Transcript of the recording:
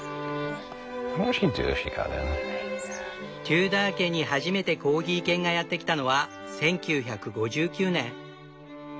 テューダー家に初めてコーギー犬がやってきたのは１９５９年。